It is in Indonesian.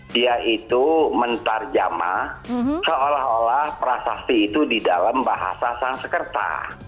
dia itu mentarjama seolah olah prasasti itu di dalam bahasa sang sekerta